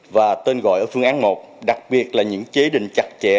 và tên gọi ở phương án một đặc biệt là những chế định chặt chẽ